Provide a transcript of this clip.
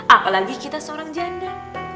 apalagi kita seorang janda